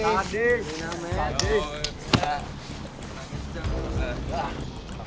satu minggu men